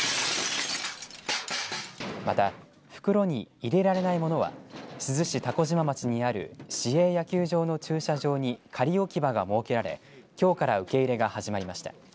また、袋に入れられないものは珠洲市蛸島町にある市営野球場の駐車場に仮置き場が設けられ、きょうから受け入れが始まりました。